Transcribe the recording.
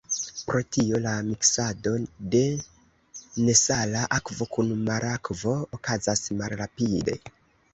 Pro tio la miksado de nesala akvo kun marakvo okazas malrapide.